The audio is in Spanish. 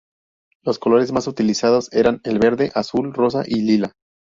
Los colores más utilizados eran el verde, azul, rosa y lila.